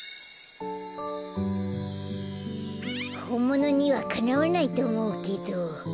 ほんものにはかなわないとおもうけど。